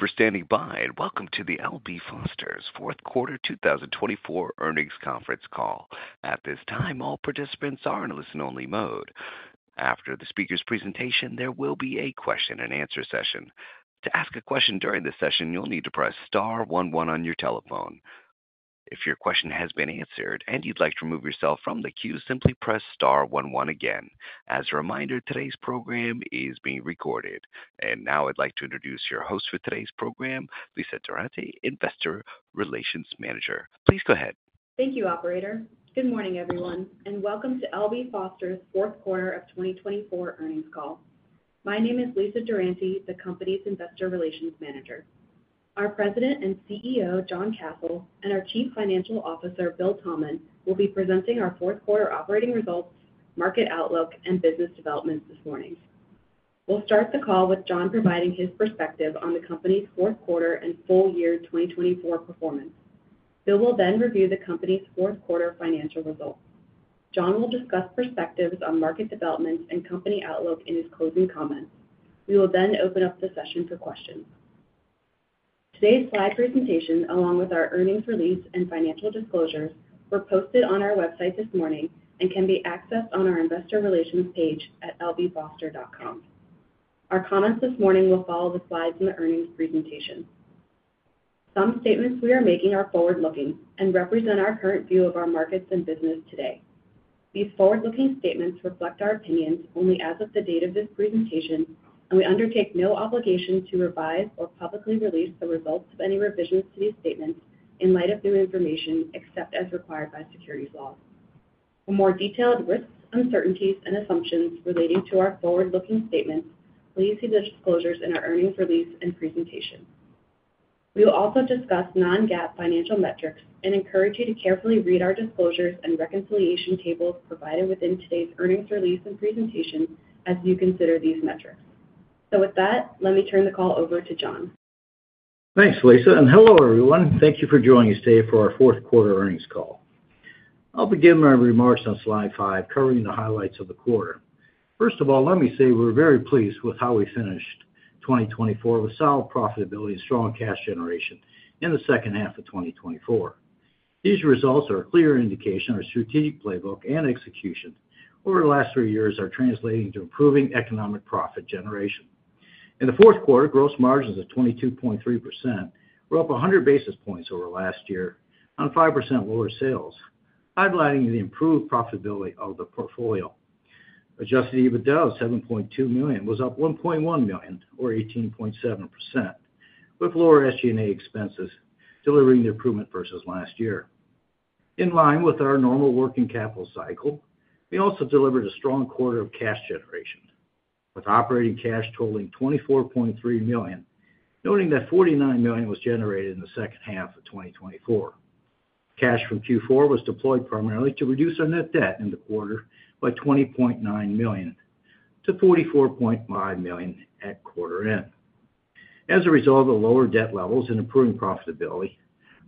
Thank you for standing by, and welcome to the L.B. Foster's Q4 2024 Earnings Conference Call. At this time, all participants are in listen-only mode. After the speaker's presentation, there will be a question-and-answer session. To ask a question during this session, you'll need to press star 11 on your telephone. If your question has been answered and you'd like to remove yourself from the queue, simply press star one one again. As a reminder, today's program is being recorded. And now I'd like to introduce your host for today's program, Lisa Durante, Investor Relations Manager. Please go ahead. Thank you, Operator. Good morning, everyone, and welcome to L.B. Foster's Q4 of 2024 Earnings Call. My name is Lisa Durante, the company's Investor Relations Manager. Our President and CEO, John Kasel, and our Chief Financial Officer, Bill Thalman, will be presenting our Q4 operating results, market outlook, and business developments this morning. We'll start the call with John providing his perspective on the company's Q4 and full year 2024 performance. Bill will then review the company's Q4 financial results. John will discuss perspectives on market developments and company outlook in his closing comments. We will then open up the session for questions. Today's slide presentation, along with our earnings release and financial disclosures, were posted on our website this morning and can be accessed on our investor relations page at lbfoster.com. Our comments this morning will follow the slides in the earnings presentation. Some statements we are making are forward-looking and represent our current view of our markets and business today. These forward-looking statements reflect our opinions only as of the date of this presentation, and we undertake no obligation to revise or publicly release the results of any revisions to these statements in light of new information except as required by securities law. For more detailed risks, uncertainties, and assumptions relating to our forward-looking statements, please see the disclosures in our earnings release and presentation. We will also discuss non-GAAP financial metrics and encourage you to carefully read our disclosures and reconciliation tables provided within today's earnings release and presentation as you consider these metrics. So with that, let me turn the call over to John. Thanks, Lisa. And hello, everyone. Thank you for joining us today for our Q4 earnings call. I'll begin my remarks on slide five, covering the highlights of the quarter. First of all, let me say we're very pleased with how we finished 2024 with solid profitability and strong cash generation in the second half of 2024. These results are a clear indication of our strategic playbook and execution over the last three years are translating to improving economic profit generation. In the Q4, gross margins of 22.3% were up 100 basis points over last year on 5% lower sales, highlighting the improved profitability of the portfolio. Adjusted EBITDA of $7.2 million was up $1.1 million or 18.7%, with lower SG&A expenses delivering the improvement versus last year. In line with our normal working capital cycle, we also delivered a strong quarter of cash generation with operating cash totaling $24.3 million, noting that $49 million was generated in the second half of 2024. Cash from Q4 was deployed primarily to reduce our net debt in the quarter by $20.9 million to $44.5 million at quarter end. As a result of lower debt levels and improving profitability,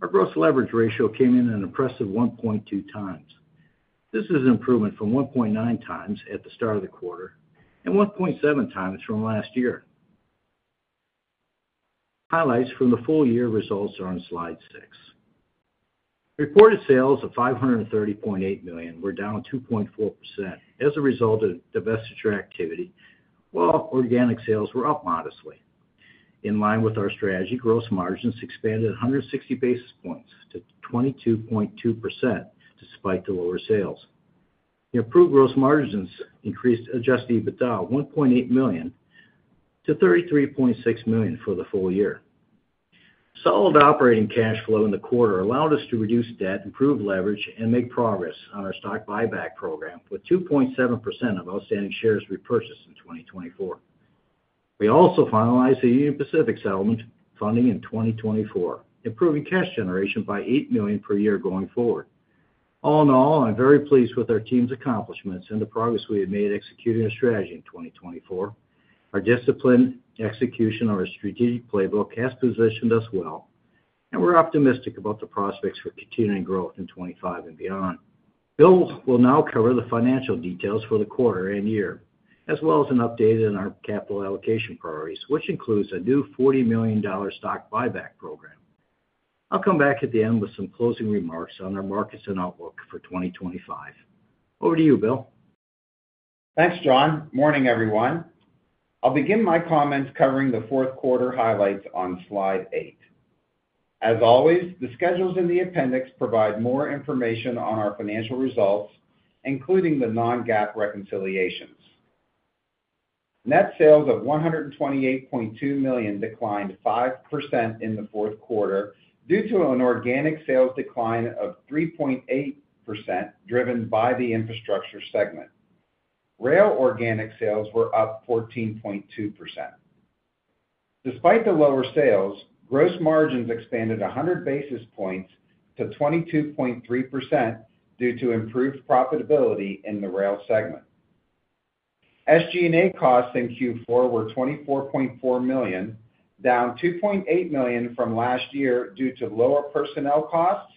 our gross leverage ratio came in an impressive 1.2 times. This is an improvement from 1.9 times at the start of the quarter and 1.7 times from last year. Highlights from the full year results are on slide six. Reported sales of $530.8 million were down 2.4% as a result of divestiture activity, while organic sales were up modestly. In line with our strategy, gross margins expanded 160 basis points to 22.2% despite the lower sales. The improved gross margins increased adjusted EBITDA of $1.8 million to $33.6 million for the full year. Solid operating cash flow in the quarter allowed us to reduce debt, improve leverage, and make progress on our stock buyback program with 2.7% of outstanding shares repurchased in 2024. We also finalized the Union Pacific settlement funding in 2024, improving cash generation by $8 million per year going forward. All in all, I'm very pleased with our team's accomplishments and the progress we have made executing our strategy in 2024. Our disciplined execution of our strategic playbook has positioned us well, and we're optimistic about the prospects for continuing growth in 2025 and beyond. Bill will now cover the financial details for the quarter and year, as well as an update on our capital allocation priorities, which includes a new $40 million stock buyback program. I'll come back at the end with some closing remarks on our markets and outlook for 2025. Over to you, Bill. Thanks, John. Morning, everyone. I'll begin my comments covering the Q4 highlights on slide eight. As always, the schedules in the appendix provide more information on our financial results, including the non-GAAP reconciliations. Net sales of $128.2 million declined 5% in the Q4 due to an organic sales decline of 3.8% driven by the infrastructure segment. Rail organic sales were up 14.2%. Despite the lower sales, gross margins expanded 100 basis points to 22.3% due to improved profitability in the Rail segment. SG&A costs in Q4 were $24.4 million, down $2.8 million from last year due to lower personnel costs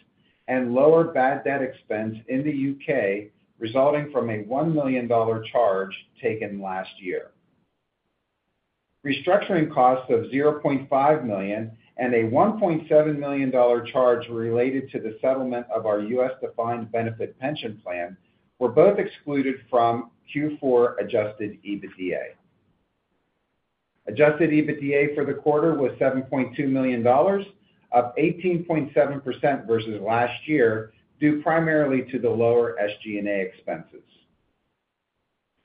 and lower bad debt expense in the U.K., resulting from a $1 million charge taken last year. Restructuring costs of $0.5 million and a $1.7 million charge related to the settlement of our U.S.-defined benefit pension plan were both excluded from Q4 adjusted EBITDA. Adjusted EBITDA for the quarter was $7.2 million, up 18.7% versus last year due primarily to the lower SG&A expenses.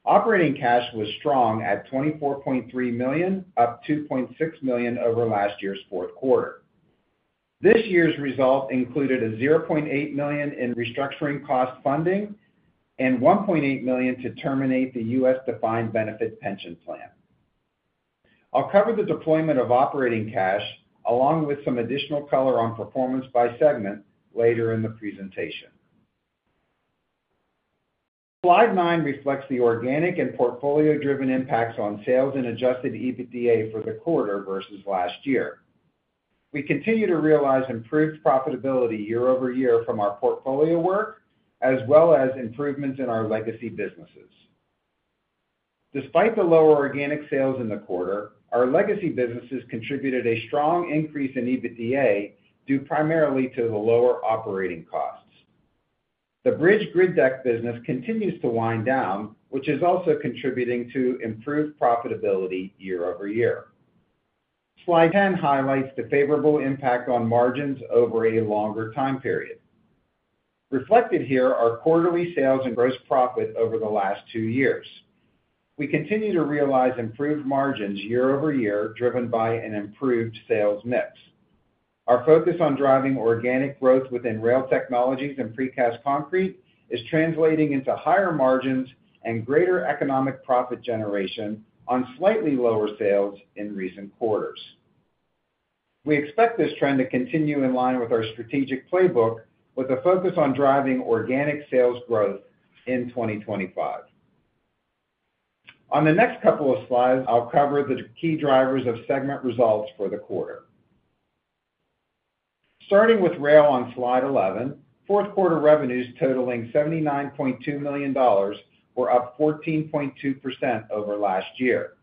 Operating cash was strong at $24.3 million, up $2.6 million over last year's Q4. This year's result included a $0.8 million in restructuring cost funding and $1.8 million to terminate the US-defined benefit pension plan. I'll cover the deployment of operating cash along with some additional color on performance by segment later in the presentation. Slide nine reflects the organic and portfolio-driven impacts on sales and adjusted EBITDA for the quarter versus last year. We continue to realize improved profitability year over year from our portfolio work, as well as improvements in our legacy businesses. Despite the lower organic sales in the quarter, our legacy businesses contributed a strong increase in EBITDA due primarily to the lower operating costs. The Bridge Grid Deck business continues to wind down, which is also contributing to improved profitability year over year. Slide 10 highlights the favorable impact on margins over a longer time period. Reflected here are quarterly sales and gross profit over the last two years. We continue to realize improved margins year over year driven by an improved sales mix. Our focus on driving organic growth within Rail Technologies and Precast Concrete is translating into higher margins and greater economic profit generation on slightly lower sales in recent quarters. We expect this trend to continue in line with our strategic playbook, with a focus on driving organic sales growth in 2025. On the next couple of slides, I'll cover the key drivers of segment results for the quarter. Starting with Rail on slide 11, Q4 revenues totaling $79.2 million were up 14.2% over last year.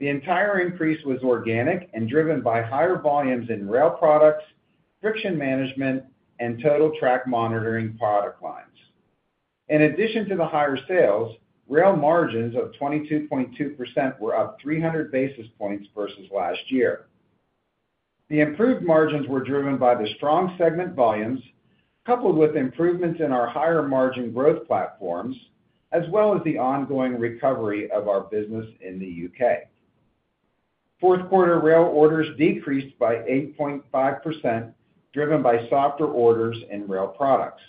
The entire increase was organic and driven by higher volumes in Rail Products, Friction Management, and Total Track Monitoring product lines. In addition to the higher sales, rail margins of 22.2% were up 300 basis points versus last year. The improved margins were driven by the strong segment volumes, coupled with improvements in our higher margin growth platforms, as well as the ongoing recovery of our business in the U.K. Q4 rail orders decreased by 8.5%, driven by softer orders in Rail Products.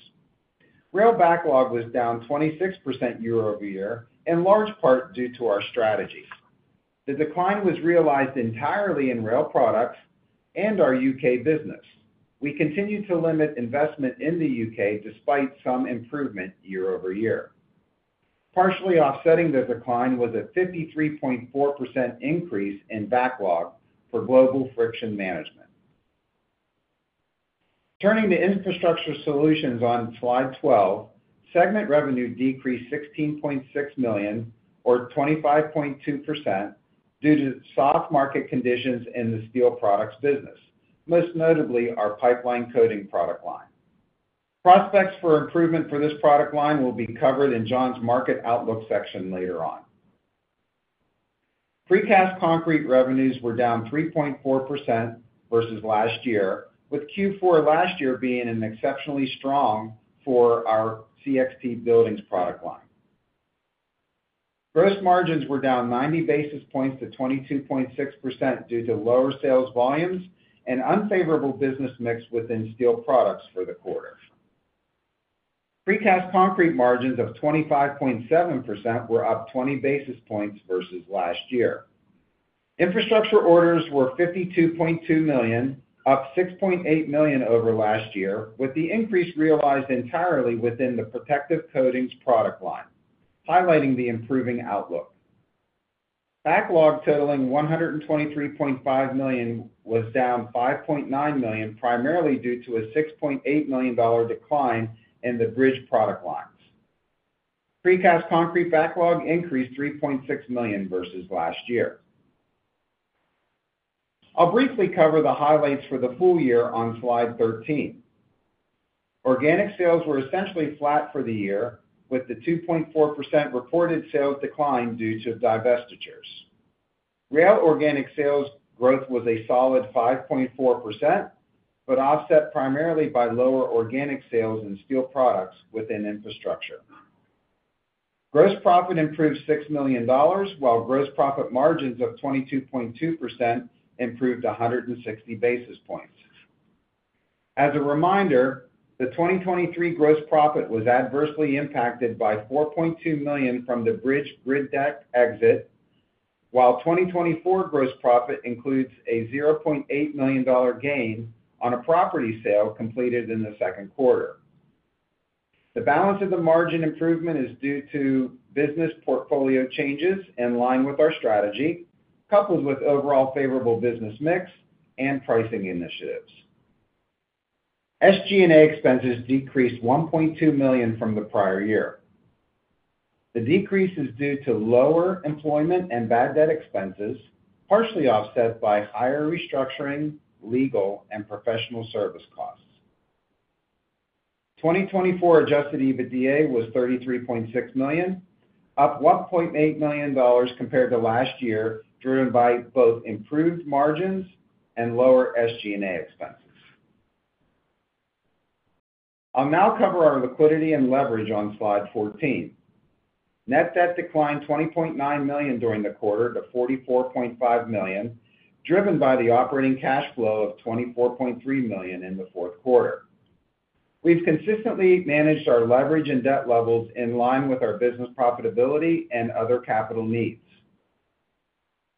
Rail backlog was down 26% year over year, in large part due to our strategy. The decline was realized entirely in Rail Products and our U.K. business. We continue to limit investment in the U.K. despite some improvement year over year. Partially offsetting the decline was a 53.4% increase in backlog for Global Friction Management. Turning to Infrastructure Solutions on slide 12, segment revenue decreased $16.6 million or 25.2% due to soft market conditions in the Steel Products business, most notably our pipeline coating product line. Prospects for improvement for this product line will be covered in John's market outlook section later on. Precast Concrete revenues were down 3.4% versus last year, with Q4 last year being an exceptionally strong for our CXT Buildings product line. Gross margins were down 90 basis points to 22.6% due to lower sales volumes and unfavorable business mix within Steel Products for the quarter. Precast Concrete margins of 25.7% were up 20 basis points versus last year. Infrastructure orders were $52.2 million, up $6.8 million over last year, with the increase realized entirely within the Protective Coatings product line, highlighting the improving outlook. Backlog totaling $123.5 million was down $5.9 million, primarily due to a $6.8 million decline in the bridge product lines. Precast Concrete backlog increased $3.6 million versus last year. I'll briefly cover the highlights for the full year on slide 13. Organic sales were essentially flat for the year, with the 2.4% reported sales decline due to divestitures. Rail organic sales growth was a solid 5.4%, but offset primarily by lower organic sales in Steel Products within infrastructure. Gross profit improved $6 million, while gross profit margins of 22.2% improved 160 basis points. As a reminder, the 2023 gross profit was adversely impacted by $4.2 million from the Bridge Grid Deck exit, while 2024 gross profit includes a $0.8 million gain on a property sale completed in the Q2. The balance of the margin improvement is due to business portfolio changes in line with our strategy, coupled with overall favorable business mix and pricing initiatives. SG&A expenses decreased $1.2 million from the prior year. The decrease is due to lower employment and bad debt expenses, partially offset by higher restructuring, legal, and professional service costs. 2024 adjusted EBITDA was $33.6 million, up $1.8 million compared to last year, driven by both improved margins and lower SG&A expenses. I'll now cover our liquidity and leverage on slide 14. Net debt declined $20.9 million during the quarter to $44.5 million, driven by the operating cash flow of $24.3 million in the Q4. We've consistently managed our leverage and debt levels in line with our business profitability and other capital needs.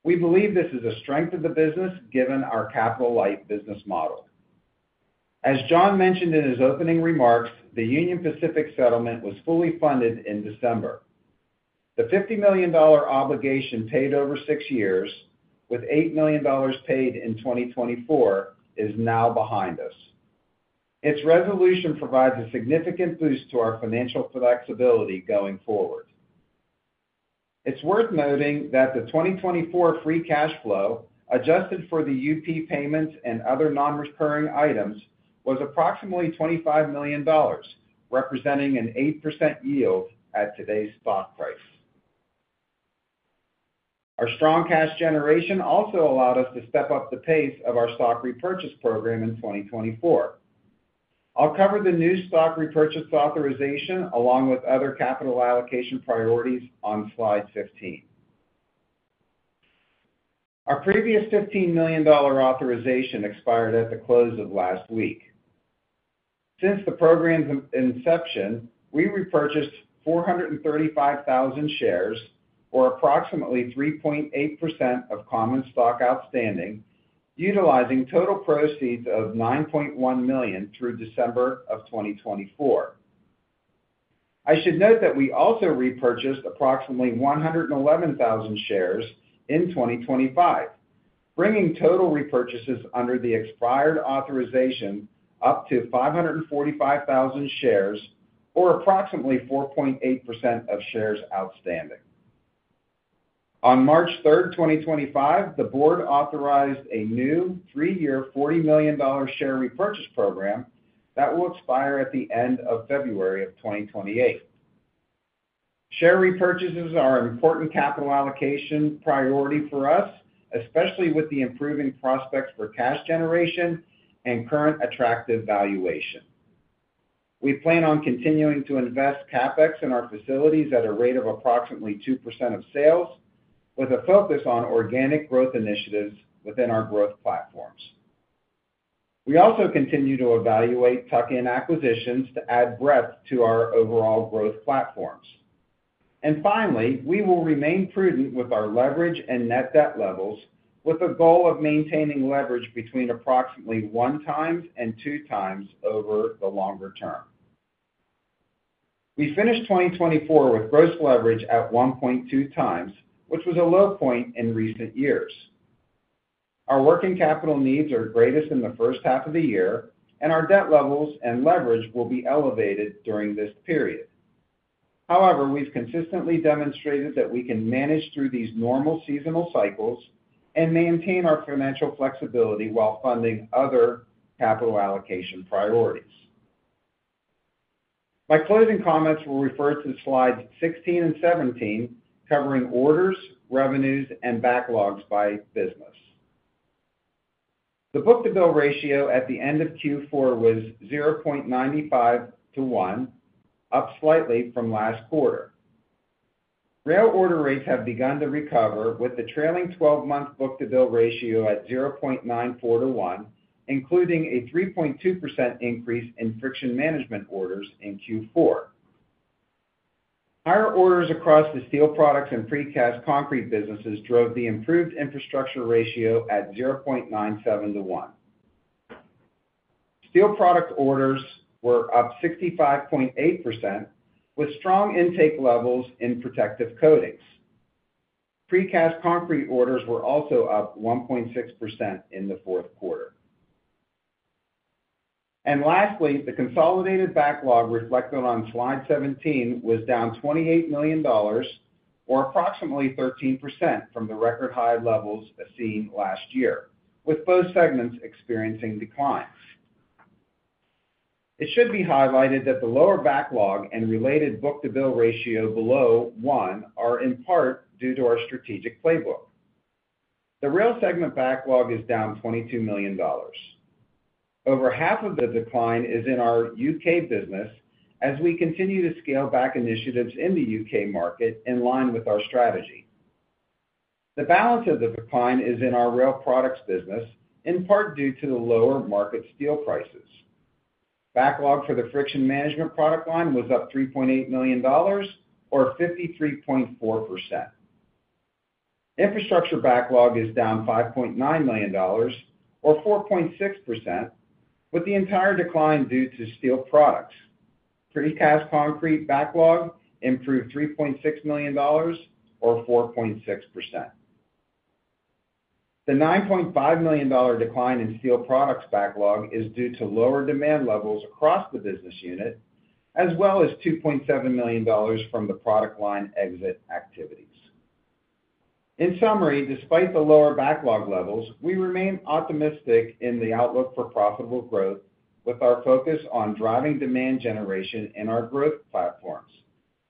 We believe this is a strength of the business given our capital-light business model. As John mentioned in his opening remarks, the Union Pacific settlement was fully funded in December. The $50 million obligation paid over six years, with $8 million paid in 2024, is now behind us. Its resolution provides a significant boost to our financial flexibility going forward. It's worth noting that the 2024 free cash flow adjusted for the UP payments and other non-recurring items was approximately $25 million, representing an 8% yield at today's stock price. Our strong cash generation also allowed us to step up the pace of our stock repurchase program in 2024. I'll cover the new stock repurchase authorization along with other capital allocation priorities on slide 15. Our previous $15 million authorization expired at the close of last week. Since the program's inception, we repurchased 435,000 shares, or approximately 3.8% of common stock outstanding, utilizing total proceeds of $9.1 million through December of 2024. I should note that we also repurchased approximately 111,000 shares in 2025, bringing total repurchases under the expired authorization up to 545,000 shares, or approximately 4.8% of shares outstanding. On March 3, 2025, the board authorized a new three-year $40 million share repurchase program that will expire at the end of February 2028. Share repurchases are an important capital allocation priority for us, especially with the improving prospects for cash generation and current attractive valuation. We plan on continuing to invest CapEx in our facilities at a rate of approximately 2% of sales, with a focus on organic growth initiatives within our growth platforms. We also continue to evaluate tuck-in acquisitions to add breadth to our overall growth platforms. And finally we will remain prudent with our leverage and net debt levels, with a goal of maintaining leverage between approximately one times and two times over the longer term. We finished 2024 with gross leverage at 1.2 times, which was a low point in recent years. Our working capital needs are greatest in the first half of the year, and our debt levels and leverage will be elevated during this period. However, we've consistently demonstrated that we can manage through these normal seasonal cycles and maintain our financial flexibility while funding other capital allocation priorities. My closing comments will refer to slides 16 and 17, covering orders, revenues, and backlogs by business. The book-to-bill ratio at the end of Q4 was 0.95-1, up slightly from last quarter. Rail order rates have begun to recover, with the trailing 12-month book-to-bill ratio at 0.94 to 1, including a 3.2% increase in Friction Management orders in Q4. Higher orders across the Steel Products and Precast Concrete businesses drove the improved infrastructure ratio at 0.97 to 1. Steel product orders were up 65.8%, with strong intake levels in protective coatings. Precast Concrete orders were also up 1.6% in the Q4. And lastly, the consolidated backlog reflected on slide 17 was down $28 million, or approximately 13% from the record high levels seen last year, with both segments experiencing declines. It should be highlighted that the lower backlog and related book-to-bill ratio below 1 are in part due to our strategic playbook. The rail segment backlog is down $22 million. Over half of the decline is in our U.K. business, as we continue to scale back initiatives in the U.K. market in line with our strategy. The balance of the decline is in our Rail Products business, in part due to the lower market steel prices. Backlog for the Friction Management product line was up $3.8 million, or 53.4%. Infrastructure backlog is down $5.9 million, or 4.6%, with the entire decline due to Steel Products. Precast Concrete backlog improved $3.6 million, or 4.6%. The $9.5 million decline in Steel Products backlog is due to lower demand levels across the business unit, as well as $2.7 million from the product line exit activities. In summary, despite the lower backlog levels, we remain optimistic in the outlook for profitable growth, with our focus on driving demand generation in our growth platforms,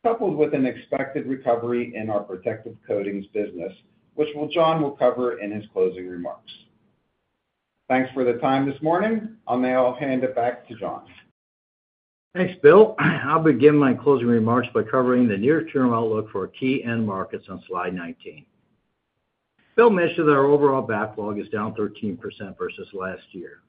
coupled with an expected recovery in our protective coatings business, which John will cover in his closing remarks. Thanks for the time this morning. I'll now hand it back to John. Thanks, Bill. I'll begin my closing remarks by covering the near-term outlook for key end markets on slide 19. Bill mentioned that our overall backlog is down 13% versus last year.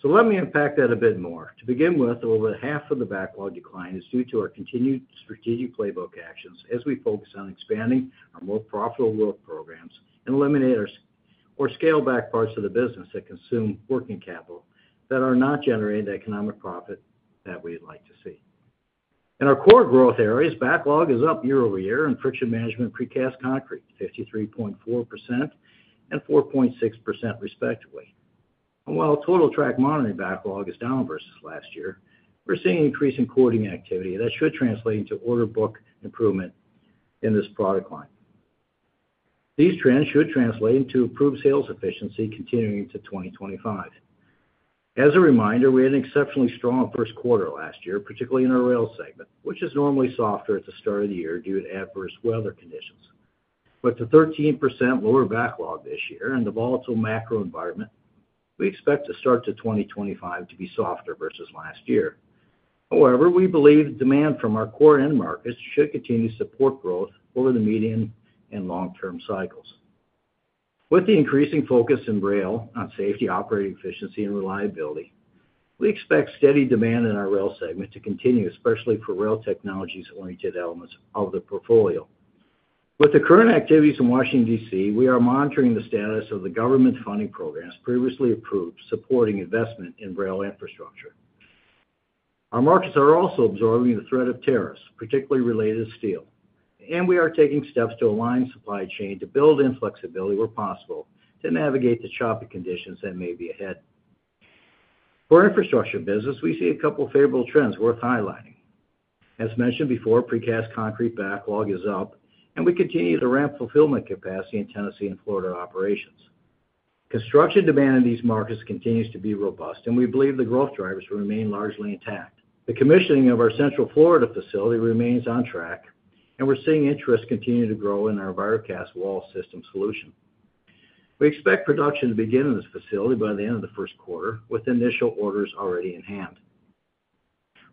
So let me unpack that a bit more. To begin with, over half of the backlog decline is due to our continued strategic playbook actions as we focus on expanding our more profitable growth programs and eliminate or scale back parts of the business that consume working capital that are not generating the economic profit that we'd like to see. In our core growth areas, backlog is up year over year in Friction Management and Precast Concrete, 53.4% and 4.6% respectively. And while Total Track Monitoring backlog is down versus last year, we're seeing increasing coating activity that should translate into order book improvement in this product line. These trends should translate into improved sales efficiency continuing into 2025. As a reminder, we had an exceptionally strong Q1 last year, particularly in our rail segment, which is normally softer at the start of the year due to adverse weather conditions. With the 13% lower backlog this year and the volatile macro environment, we expect the start to 2025 to be softer versus last year. However, we believe demand from our core end markets should continue to support growth over the medium and long-term cycles. With the increasing focus in rail on safety, operating efficiency, and reliability, we expect steady demand in our rail segment to continue, especially for rail technologies-oriented elements of the portfolio. With the current activities in Washington, D.C., we are monitoring the status of the government funding programs previously approved supporting investment in rail infrastructure. Our markets are also absorbing the threat of tariffs, particularly related to steel, and we are taking steps to align supply chain to build in flexibility where possible to navigate the choppy conditions that may be ahead. For infrastructure business, we see a couple of favorable trends worth highlighting. As mentioned before, Precast Concrete backlog is up, and we continue to ramp fulfillment capacity in Tennessee and Florida operations. Construction demand in these markets continues to be robust, and we believe the growth drivers will remain largely intact. The commissioning of our Central Florida facility remains on track, and we're seeing interest continue to grow in our EnviroCast wall system solution. We expect production to begin in this facility by the end of the Q1, with initial orders already in hand.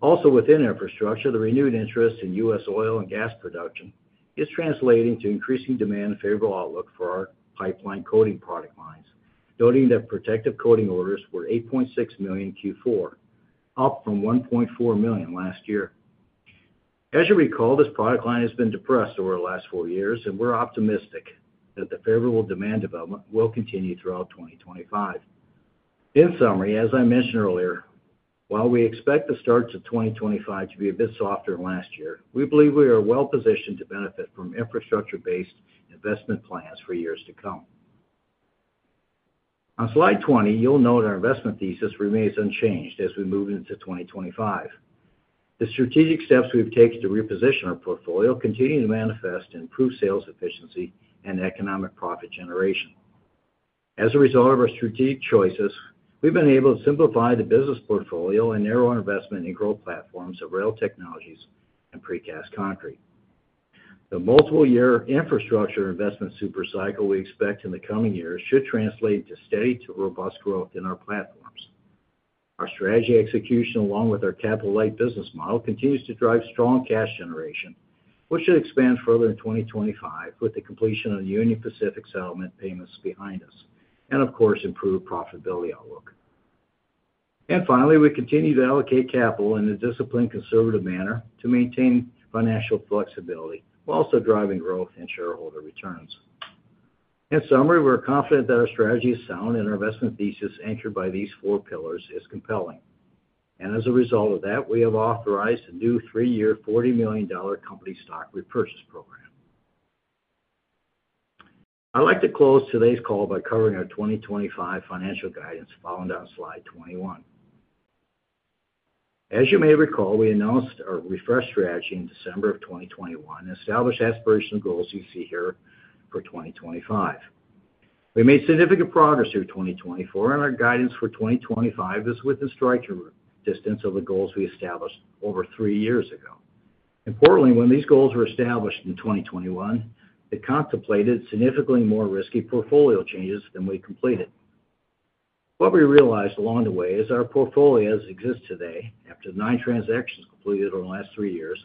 Also, within infrastructure, the renewed interest in U.S. oil and gas production is translating to increasing demand and favorable outlook for our pipeline coating product lines, noting that protective coating orders were $8.6 million Q4, up from $1.4 million last year. As you recall, this product line has been depressed over the last four years, and we're optimistic that the favorable demand development will continue throughout 2025. In summary, as I mentioned earlier, while we expect the start to 2025 to be a bit softer than last year, we believe we are well positioned to benefit from infrastructure-based investment plans for years to come. On slide 20, you'll note our investment thesis remains unchanged as we move into 2025. The strategic steps we've taken to reposition our portfolio continue to manifest improved sales efficiency and economic profit generation. As a result of our strategic choices, we've been able to simplify the business portfolio and narrow our investment in growth platforms of rail technologies and Precast Concrete. The multiple-year infrastructure investment supercycle we expect in the coming years should translate to steady to robust growth in our platforms. Our strategy execution, along with our capital-light business model, continues to drive strong cash generation, which should expand further in 2025 with the completion of the Union Pacific settlement payments behind us, and, of course, improved profitability outlook. And finally, we continue to allocate capital in a disciplined, conservative manner to maintain financial flexibility while also driving growth and shareholder returns. In summary, we're confident that our strategy is sound and our investment thesis anchored by these four pillars is compelling. As a result of that, we have authorized a new three-year $40 million company stock repurchase program. I'd like to close today's call by covering our 2025 financial guidance found on slide 21. As you may recall, we announced our refreshed strategy in December of 2021 and established aspirational goals you see here for 2025. We made significant progress through 2024, and our guidance for 2025 is within striking distance of the goals we established over three years ago. Importantly, when these goals were established in 2021, it contemplated significantly more risky portfolio changes than we completed. What we realized along the way is our portfolios exist today after nine transactions completed over the last three years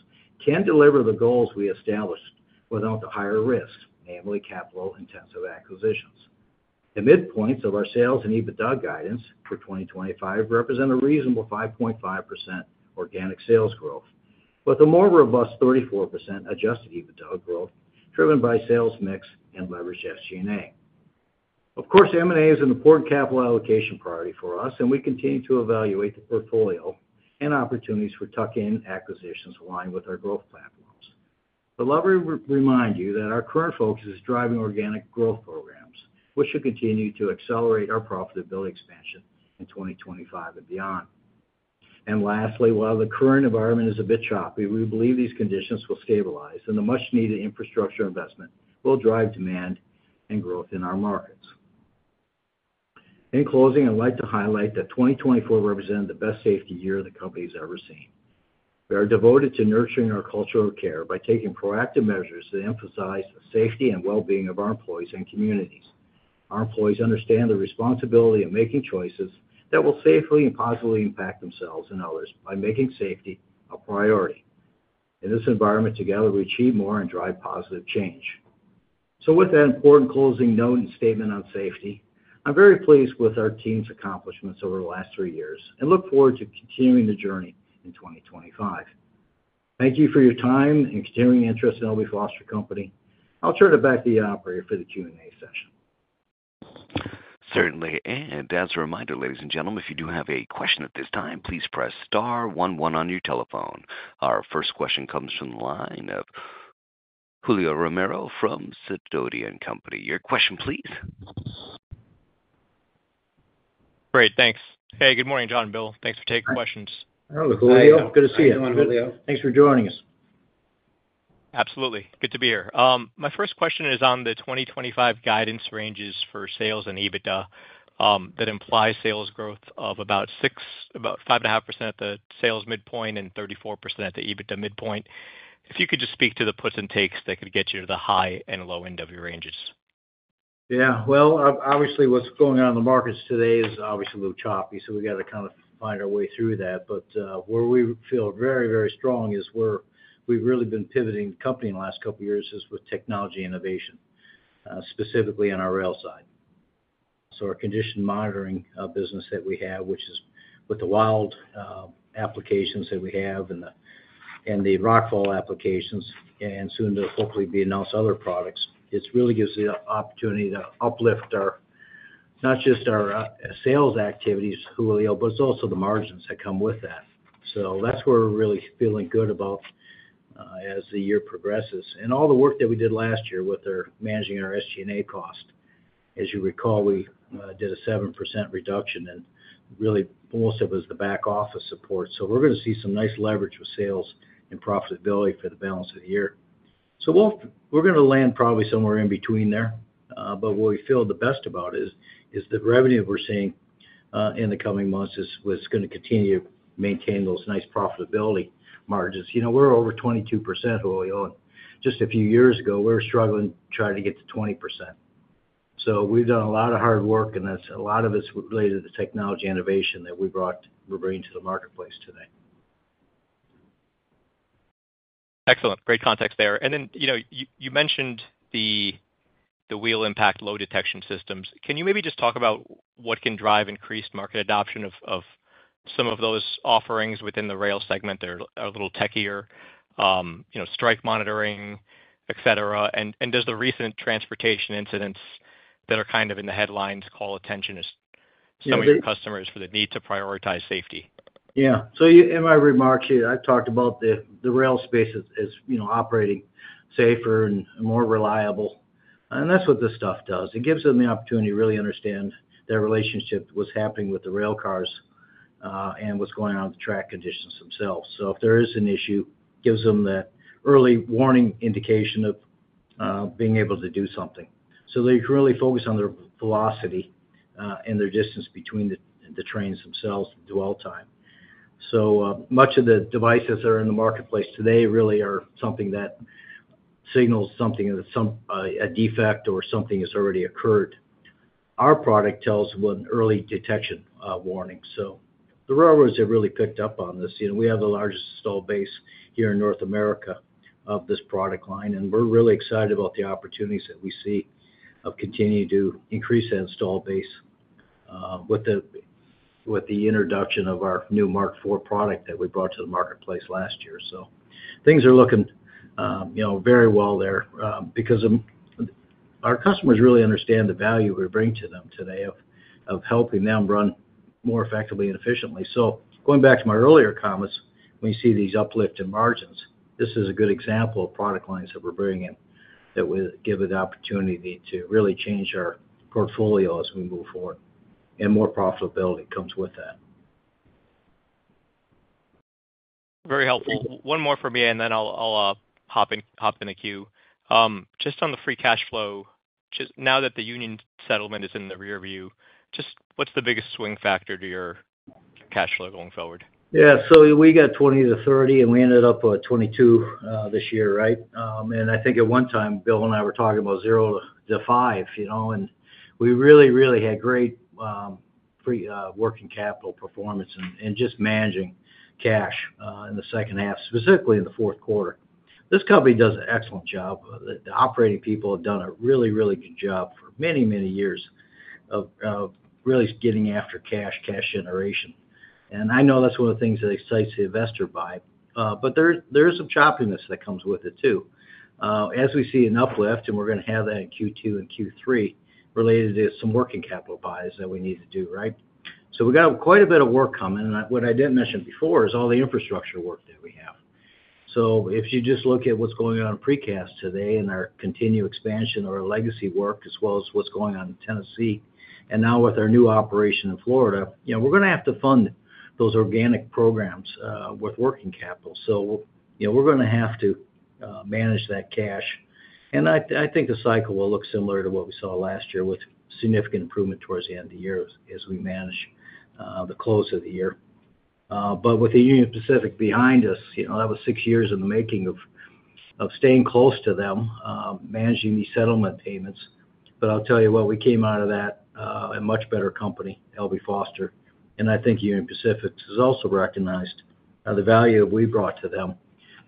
can deliver the goals we established without the higher risk, namely capital-intensive acquisitions. The midpoints of our sales and EBITDA guidance for 2025 represent a reasonable 5.5% organic sales growth, with a more robust 34% adjusted EBITDA growth driven by sales mix and leverage SG&A. Of course, M&A is an important capital allocation priority for us, and we continue to evaluate the portfolio and opportunities for tuck-in acquisitions aligned with our growth platforms. Let me remind you that our current focus is driving organic growth programs, which should continue to accelerate our profitability expansion in 2025 and beyond. And lastly, while the current environment is a bit choppy, we believe these conditions will stabilize and the much-needed infrastructure investment will drive demand and growth in our markets. In closing, I'd like to highlight that 2024 represented the best safety year the company has ever seen. We are devoted to nurturing our cultural care by taking proactive measures to emphasize the safety and well-being of our employees and communities. Our employees understand the responsibility of making choices that will safely and positively impact themselves and others by making safety a priority. In this environment, together, we achieve more and drive positive change. So with that important closing note and statement on safety, I'm very pleased with our team's accomplishments over the last three years and look forward to continuing the journey in 2025. Thank you for your time and continuing interest in L.B. Foster Company. I'll turn it back to the operator for the Q&A session. Certainly. And as a reminder, ladies and gentlemen, if you do have a question at this time, please press star one one on your telephone. Our first question comes from the line of Julio Romero from Sidoti & Company. Your question, please. Great. Thanks. Hey, good morning, John and Bill. Thanks for taking questions. Hello, Julio. Good to see you. Thanks for joining us. Absolutely. Good to be here. My first question is on the 2025 guidance ranges for sales and EBITDA that imply sales growth of about 6, about 5.5% at the sales midpoint and 34% at the EBITDA midpoint. If you could just speak to the puts and takes that could get you to the high and low end of your ranges. Yeah. Well obviously, what's going on in the markets today is obviously a little choppy, so we got to kind of find our way through that. But where we feel very, very strong is we've really been pivoting the company in the last couple of years with technology innovation, specifically on our rail side. So our condition monitoring business that we have, which is with the Wild applications that we have and the Rockfall applications, and soon to hopefully be announced other products, it really gives the opportunity to uplift our not just our sales activities, Julio, but it's also the margins that come with that. That's where we're really feeling good about as the year progresses. And all the work that we did last year with our managing our SG&A cost, as you recall, we did a 7% reduction and really most of it was the back office support. So we're going to see some nice leverage with sales and profitability for the balance of the year. So well, we are going to land probably somewhere in between there. But what we feel the best about is, is the revenue we are seeing in the coming months is what's gonna continue to maintain those nice profitability margins. You know we are over 22%, Julio. Just a few years ago, we were struggling trying to get to 20%. So we have done a lot of hard work, and a lot of it is related to the technology innovation that we brought we bring to the marketplace today. Excellent. Great context there. And then you mentioned the wheel impact load detection systems. Can you maybe just talk about what can drive increased market adoption of some of those offerings within the rail segment that are a little techier, you know strike monitoring, et cetera? And does the recent transportation incidents that are kind of in the headlines call attention to some of your customers for the need to prioritize safety? Yeah. So in my remarks here, I've talked about the rail space as you know operating safer and more reliable. And that's what this stuff does. It gives them the opportunity to really understand their relationship, what's happening with the rail cars, and what's going on with the track conditions themselves. So if there is an issue, it gives them the early warning indication of being able to do something. So they really focus on their velocity and their distance between the trains themselves dwell time. So much of the devices that are in the marketplace today really are something that signals something, a defect, or something has already occurred. Our product tells with early detection warning. So the railroads have really picked up on this. We have the largest installed base here in North America of this product line, and we're really excited about the opportunities that we see of continuing to increase that installed base with the introduction of our new Mark IV product that we brought to the marketplace last year. So things are looking you know very well there because of our customers really understand the value we bring to them today of helping them run more effectively and efficiently. So going back to my earlier comments, we see these uplift in margins. This is a good example of product lines that we're bringing in, that will give us the opportunity to really change our portfolio as we move forward and more profitability comes with that. Very helpful. One more from me, and then I'll hop in the queue. Just on the free cash flow, now that the union settlement is in the rearview, just what's the biggest swing factor to your cash flow going forward? Yeah. So we got 20-30, and we ended up at 22 this year, right? And I think at one time, Bill and I were talking about zero to five. You know and we really, really had great working capital performance and just managing cash in the second half, specifically in the Q4. This company does an excellent job. The operating people have done a really, really good job many, many years of really getting after cash, cash generation. And I know that's one of the things that excites the investor buy. But there is there is some choppiness that comes with it too. As we see an uplift, we're going to have that in Q2 and Q3 related to some working capital buys that we need to do, right? So we got quite a bit of work coming. What I didn't mention before is all the infrastructure work that we have. So if you just look at what's going on in precast today and our continued expansion of our legacy work, as well as what's going on in Tennessee, and now with our new operation in Florida, you know we're going to have to fund those organic programs with working capital. So you know we're going to have to manage that cash. And I think the cycle will look similar to what we saw last year with significant improvement towards the end of the year as we manage the close of the year. But with the Union Pacific behind us, you know that was six years in the making of staying close to them, managing these settlement payments. So I'll tell you what, we came out of that a much better company, L.B. Foster. And I think Union Pacific is also recognized by the value we brought to them.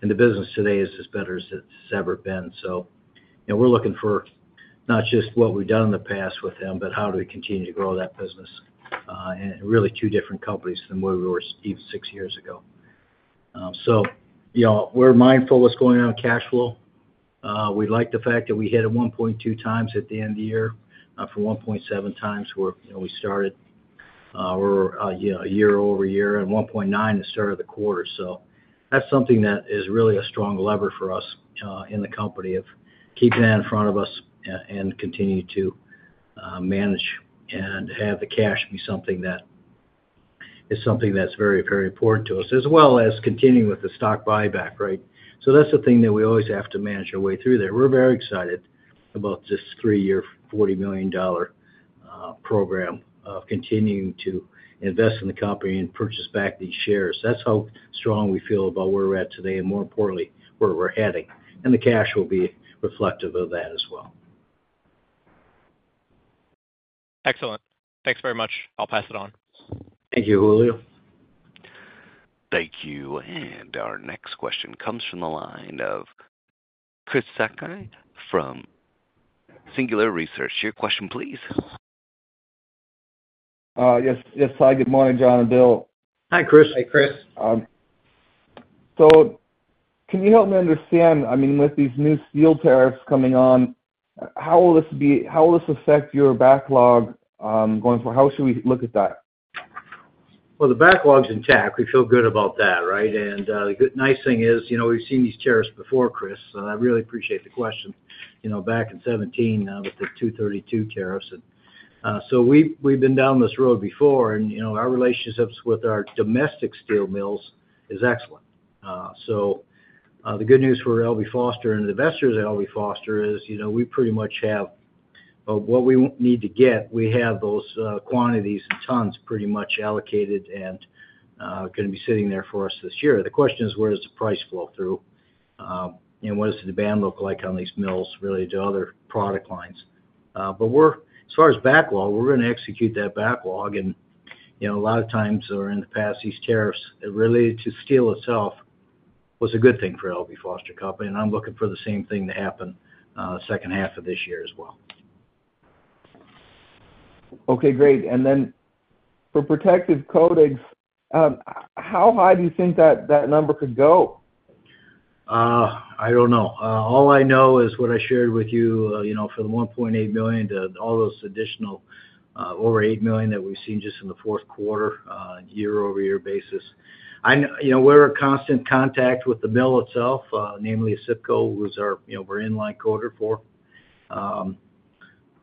The business today is as better as it's ever been. So and we're looking for not just what we've done in the past with them, but how do we continue to grow that business and really two different companies than where we were even six years ago. So you know we are mindful of what's going on with cash flow. We like the fact that we hit a 1.2 times at the end of the year from 1.7 times where we started a year over a year and 1.9 at the start of the quarter. So that's something that is really a strong lever for us in the company of keeping that in front of us and continue to manage and have the cash be something that something that's very, very important to us, as well as continuing with the stock buyback, right? So that's the thing that we always have to manage our way through there. We're very excited about this three-year $40 million program of continuing to invest in the company and purchase back these shares. That's how strong we feel about where we're at today and, more importantly, where we're heading. And the cash will be reflective of that as well. Excellent. Thanks very much. I'll pass it on. Thank you, Julio. Thank you. And our next question comes from the line of Chris Sakai from Singular Research. Your question, please. Yes yes. Hi, good morning, John and Bill. Hi, Chris. Hi, Chris. So can you help me understand, I mean, with these new steel tariffs coming on, how will this be how will this affect your backlog going forward? How should we look at that? Well the backlog's intact. We feel good about that, right? And the nice thing is you know we've seen these tariffs before, Chris. So I really appreciate the question. You know back in 2017 with the 232 tariffs. So we've been down this road before, and you know our relationships with our domestic steel mills is excellent. So the good news for L.B. Foster and investors at L.B. Foster is you know we pretty much have what we need to get. We have those quantities and tons pretty much allocated and going to be sitting there for us this year. The question is, where does the price flow through? You know what does the demand look like on these mills related to other product lines? But we're as far as backlog, we're going to execute that backlog. You know a lot of times or in the past, these tariffs related to steel itself was a good thing for L.B. Foster Company. And I'm looking for the same thing to happen second half of this year as well. Okay. Great. And then for protective coatings, how high do you think that number could go? I don't know. All I know is what I shared with you you know for the $1.8 million to all those additional over $8 million that we've seen just in the Q4 year-over-year basis. And we're in constant contact with the mill itself, namely ACIPCO, who is our you know inline coater for.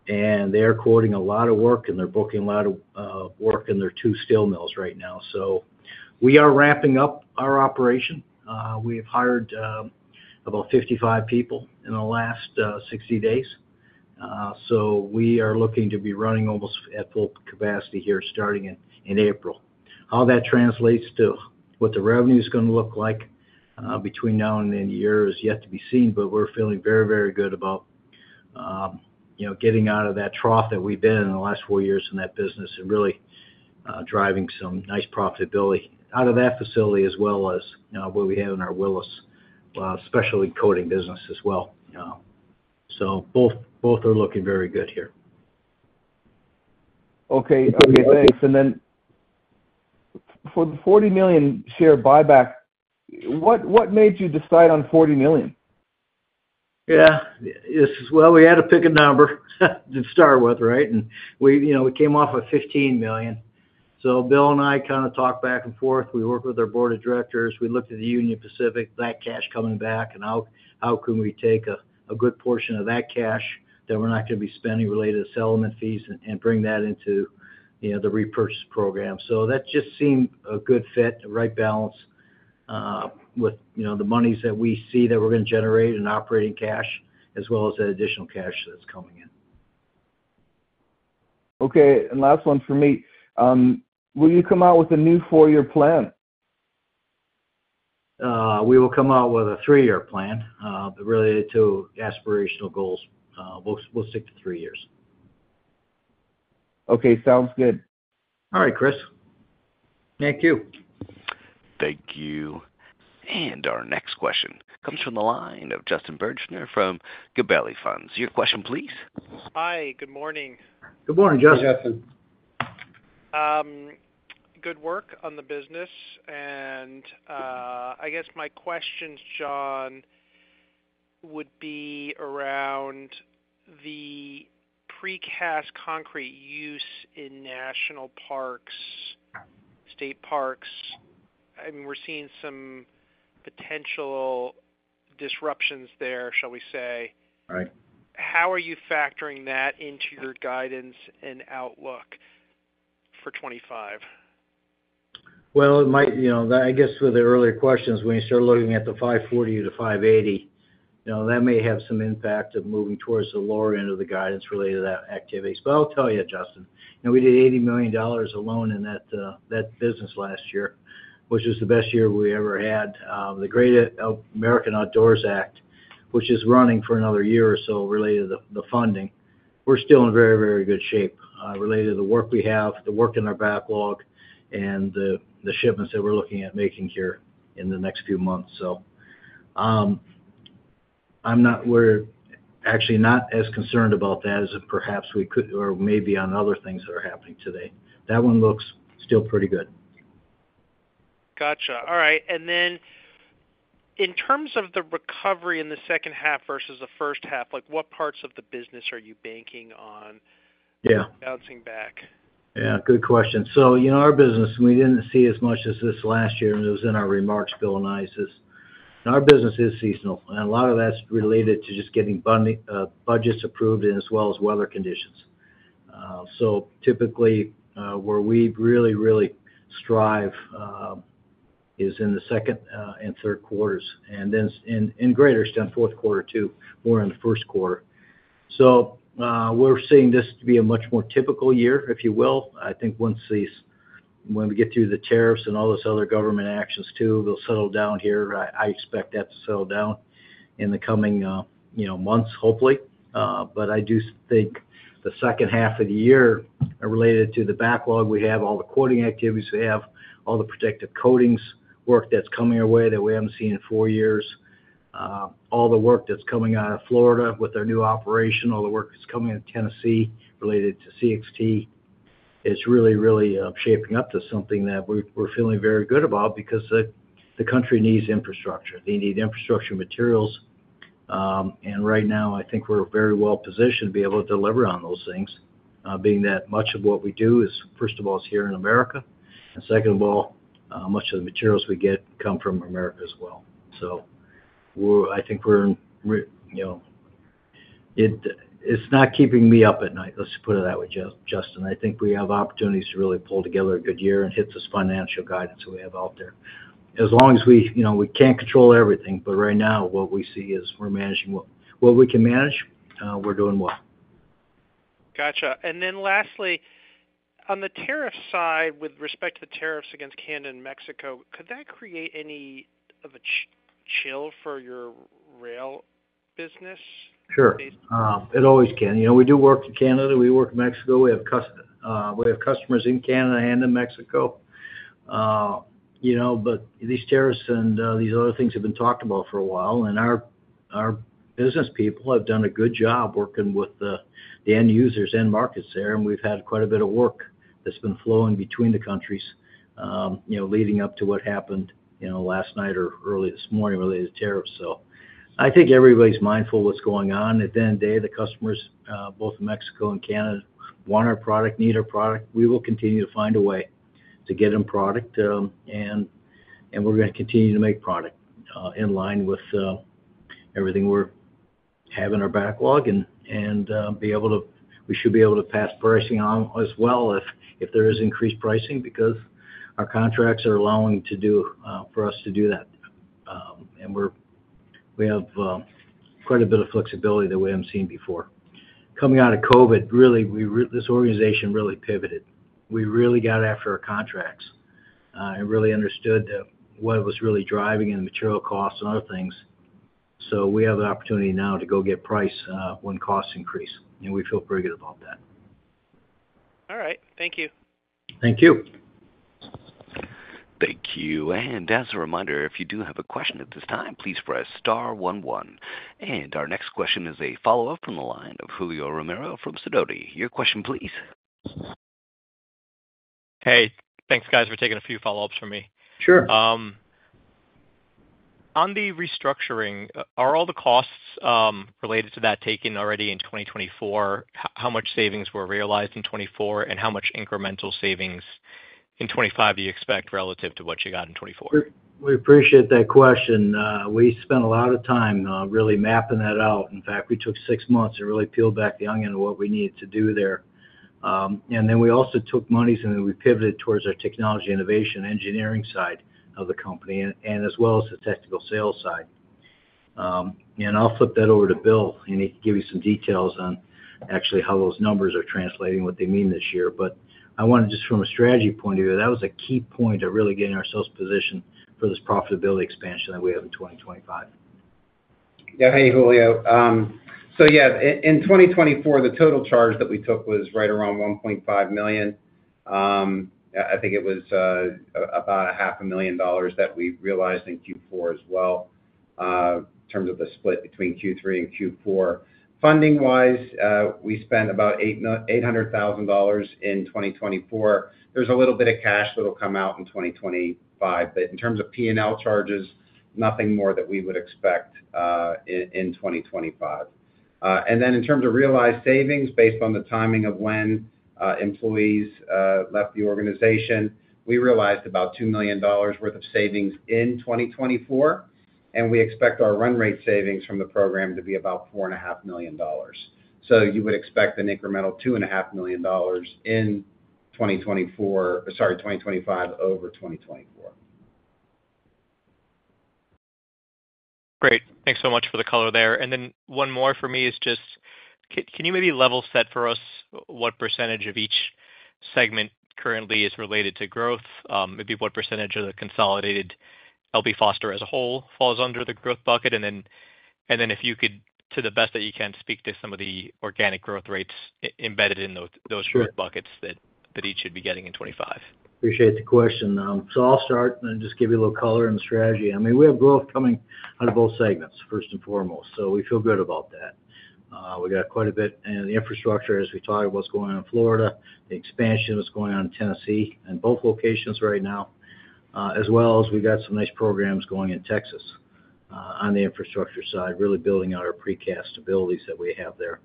And they're quoting a lot of work, and they're booking a lot of work in their two steel mills right now. So we are wrapping up our operation. We have hired about 55 people in the last 60 days. So we are looking to be running almost at full capacity here starting in April. How that translates to what the revenue is gonna look like between now and end of year is yet to be seen, but we're feeling very, very good about you know getting out of that trough that we've been in the last four years in that business and really driving some nice profitability out of that facility as well as now what we have in our Willis specialty coating business as well. So both both are looking very good here. Okay. Okay. And then for the $40 million share buyback, what what made you decide on $40 million? Yeah. Well we had to pick a number to start with, right? We came off of $15 million. Bill and I kind of talked back and forth. We worked with our board of directors. We looked at the Union Pacific, that cash coming back, and how can we take a good portion of that cash that we're not going to be spending related to settlement fees and bring that into the repurchase program? So that just seemed a good fit, a right balance with you know the money that we see that we're going to generate in operating cash as well as that additional cash that's coming in. Okay. Last one for me. Will you come out with a new four-year plan? We will come out with a three-year plan related to aspirational goals. We'll stick to three years. Okay. Sounds good. All right, Chris. Thank you. Thank you. And our next question comes from the line of Justin Bergner from Gabelli Funds. Your question, please. Hi. Good morning. Good morning, Justin Good work on the business. And I guess my questions, John, would be around the Precast Concrete use in national parks, state parks. And we're seeing some potential disruptions there, shall we say. How are you factoring that into your guidance and outlook for 2025? Well I guess with the earlier questions, when you start looking at the 540-580, you know that may have some impact of moving towards the lower end of the guidance related to that activity. But I'll tell you, Justin, now we did $80 million alone in that business last year, which was the best year we ever had. The Great American Outdoors Act, which is running for another year or so related to the funding, we're still in very, very good shape related to the work we have, the work in our backlog, and the shipments that we're looking at making here in the next few months. So I'm not we're actually not as concerned about that as perhaps we could or maybe on other things that are happening today. That one looks still pretty good. Gotcha. All right. And then in terms of the recovery in the second half versus the first half, like what parts of the business are you banking on Yeah. bouncing back? Yeah. Good question. So you know our business, we didin't see as much as this last year, and it was in our remarks, Bill and I. Our business is seasonal, and a lot of that is related to just getting budgets approved as well as weather conditions. So typically, where we really, really strive is in the second and third quarters. And then and greater extent, Q4 too, more than the Q1. So we are seeing this to be a much more typical year, if you will. I think once we get through the tariffs and all those other government actions too, they will settle down here. I expect that to settle down in the coming you know months, hopefully. But I do think the second half of the year related to the backlog we have, all the quoting activities we have, all the protective coatings work that's coming our way that we haven't seen in four years, all the work that's coming out of Florida with our new operation, all the work that's coming out of Tennessee related to CXT, it's really, really shaping up to something that we're feeling very good about because the country needs infrastructure. They need infrastructure materials. And right now, I think we're very well positioned to be able to deliver on those things, being that much of what we do is, first of all, here in America. Second of all, much of the materials we get come from America as well. So we're I think we're in you know it's not keeping me up at night. Let's just put it that way, Justin. And I think we have opportunities to really pull together a good year and hit this financial guidance we have out there. As long as you know we can't control everything, but right now, what we see is we're managing what we can manage. We're doing well. Gotcha. And then lastly, on the tariff side, with respect to the tariffs against Canada and Mexico, could that create any of a chill for your rail business? Sure. It always can. You know we do work in Canada. We work in Mexico. We have customers in Canada and in Mexico. You know but these tariffs and these other things have been talked about for a while. And our our business people have done a good job working with the end users, end markets there. And we have had quite a bit of work that has been flowing between the countries you know leading up to what happened you know last night or early this morning related to tariffs. So I think everybody is mindful what's going on. And then they are the customers, both Mexico and Canada, want our product, need our product. We will continue to find a way to get them product. And and we are going to continue to make product in line with everything we are having in our backlog and be able to we should be able to pass pricing on as well if there is increased pricing because our contracts are allowing to do for us to do that. And we're we have a quite a bit of flexibility that we have not seen before. Coming out of COVID, really this organization really pivoted. We really got after our contracts and really understood what was really driving the material costs and other things. So we have the opportunity now to go get price when costs increase. And we feel pretty good about that. All right. Thank you. Thank you. Thank you. And as a reminder, if you do have a question at this time, please press star one one. And our next question is a follow-up from the line of Julio Romero from Sidoti. Your question, please. Hey. Thanks, guys, for taking a few follow-ups from me. Sure. On the restructuring, are all the costs related to that taken already in 2024? How much savings were realized in 2024, and how much incremental savings in 2025 do you expect relative to what you got in 2024? We appreciate that question. We spent a lot of time really mapping that out. In fact, we took six months and really peeled back the onion of what we needed to do there. And then we also took money, so we pivoted towards our technology innovation engineering side of the company and as well as the technical sales side. You know flip that over to Bill, and he give you some details on actually how those numbers are translating and what they mean this year. But I want to just, from a strategy point of view, that was a key point of really getting ourselves positioned for this profitability expansion that we have in 2025. Yeah. Hey, Julio. So yeah, in 2024, the total charge that we took was right around $1.5 million. I think it was about $500,000 that we realized in Q4 as well in terms of the split between Q3 and Q4. Funding-wise, we spent about $800,000 in 2024. There's a little bit of cash that'll come out in 2025. In terms of P&L charges, nothing more that we would expect in 2025. And then in terms of realized savings based on the timing of when employees left the organization, we realized about $2 million worth of savings in 2024. And we expect our run rate savings from the program to be about $4.5 million. So you would expect an incremental $2.5 million in 2024 sorry 2025 over 2024. Great. Thanks so much for the color there. And then one more for me is just, can you maybe level set for us what percentage of each segment currently is related to growth? Maybe what percentage of the consolidated L.B. Foster as a whole falls under the growth bucket? And then if you could, to the best that you can, speak to some of the organic growth rates embedded in those growth buckets that each should be getting in 2025. Appreciate the question. So I'll start and just give you a little color and strategy. I mean, we have growth coming out of both segments, first and foremost. So we feel good about that. We got quite a bit in the infrastructure as we talked about what's going on in Florida, the expansion that's going on in Tennessee in both locations right now, as well as we got some nice programs going in Texas on the infrastructure side, really building out our precast abilities that we have there.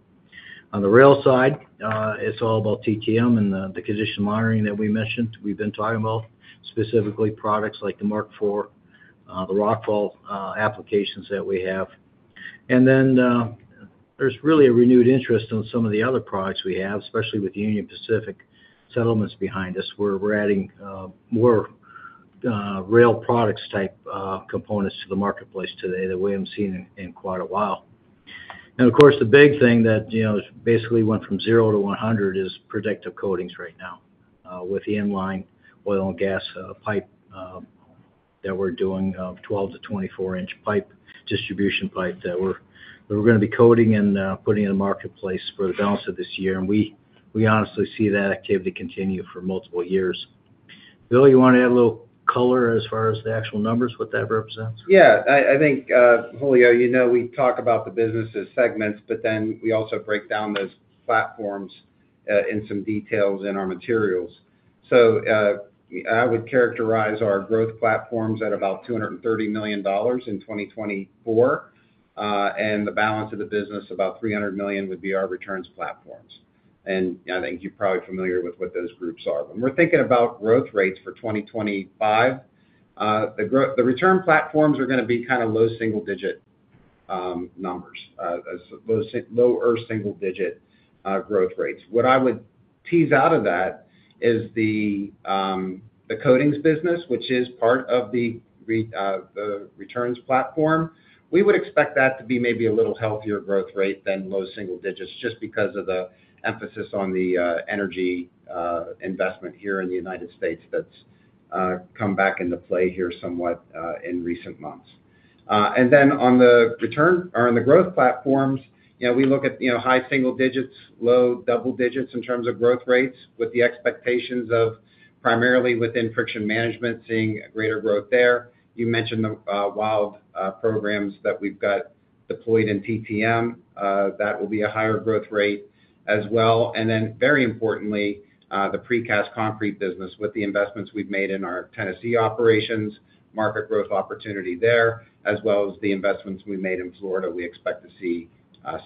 On the rail side, it's all about TTM and the condition monitoring that we mentioned. We've been talking about specifically products like the Mark IV, the Rockfall applications that we have. And then there is really a renewed interest in some of the other products we have, especially with the Union Pacific settlements behind us, where we are adding more Rail Products type components to the marketplace today that we have not seen in quite a while. And of course, the big thing that you know basically went from 0 to 100 is protective coatings right now with the inline oil and gas pipe that we are doing of 12-24 inch pipe, distribution pipe that we are going to be coating and putting in the marketplace for the balance of this year. We honestly see that activity continue for multiple years. Bill, you want to add a little color as far as the actual numbers, what that represents? Yeah. I think, Julio, we talk about the business as segments, but then we also break down those platforms in some details in our materials. So I would characterize our growth platforms at about $230 million in 2024. And the balance of the business, about $300 million, would be our returns platforms. And I think you're probably familiar with what those groups are. When we're thinking about growth rates for 2025, the return platforms are going to be kind of low single-digit numbers, low or single-digit growth rates. What I would tease out of that is the the coatings business, which is part of the returns platform. We would expect that to be maybe a little healthier growth rate than low single digits just because of the emphasis on the energy investment here in the United States that's come back into play here somewhat in recent months. And then on the return or on the growth platforms, you know we look you know at high single digits, low double digits in terms of growth rates with the expectations of primarily within Friction Management, seeing greater growth there. You mentioned the WILD programs that we've got deployed in TTM. That will be a higher growth rate as well. And then very importantly, the Precast Concrete business with the investments we've made in our Tennessee operations, market growth opportunity there, as well as the investments we made in Florida. We expect to see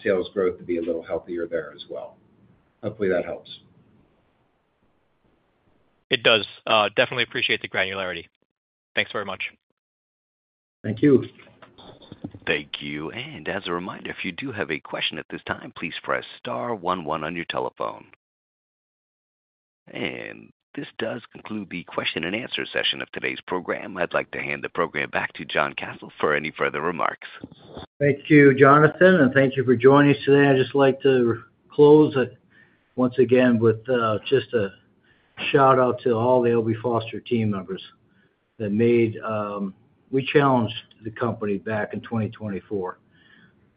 sales growth to be a little healthier there as well. Hopefully, that helps. It does. Definitely appreciate the granularity. Thanks very much. Thank you. Thank you. And as a reminder, if you do have a question at this time, please press star one one on your telephone. And this does conclude the question and answer session of today's program. I'd like to hand the program back to John Kasel for any further remarks. Thank you, Jonathan, and thank you for joining us today. I'd just like to close it once again with just a shout-out to all the L.B. Foster team members that made—we challenged the company back in 2024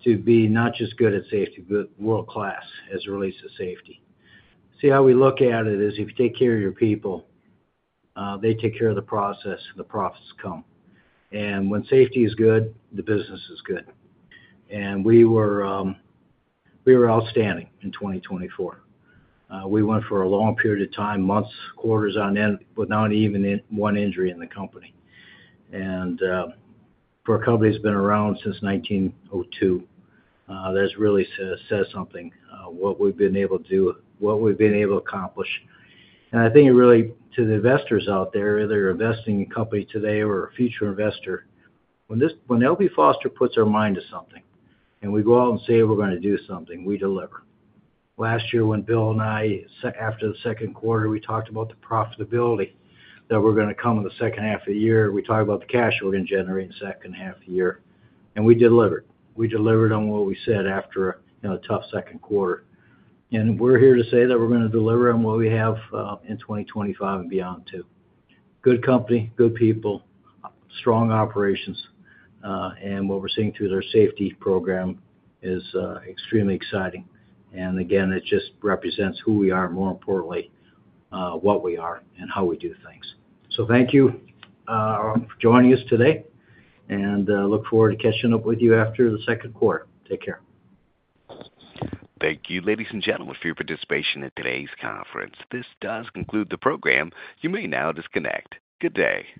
to be not just good at safety, but world-class as it relates to safety. See, how we look at it is if you take care of your people, they take care of the process, and the profits come. And when safety is good, the business is good. And we were, we were outstanding in 2024. We went for a long period of time, months, quarters on end, with not even one injury in the company. And for a company that's been around since 1902, that really says something, what we've been able to do, what we've been able to accomplish. And I think really to the investors out there, whether they're investing in a company today or a future investor, when L.B. Foster puts our mind to something and we go out and say we're going to do something, we deliver. Last year, when Bill and I, after the Q2, we talked about the profitability that we're going to come in the second half of the year, we talked about the cash we're going to generate in the second half of the year. And we delivered. We delivered on what we said after a tough Q2. And we're here to say that we're going to deliver on what we have in 2025 and beyond too. Good company, good people, strong operations. And what we're seeing through their safety program is extremely exciting. And again it just represents who we are, more importantly, what we are, and how we do things. Thank you for joining us today. And look forward to catching up with you after the Q2. Take care. Thank you, ladies and gentlemen, for your participation in today's conference. This does conclude the program. You may now disconnect. Good day.